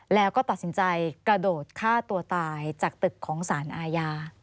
แล้วก็ตัดสินใจกระโดดฆ่าตัวตายจากตึกของสารอาญา